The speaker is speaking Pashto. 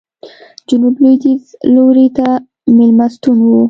جنوب لوېدیځ لوري ته مېلمستون و.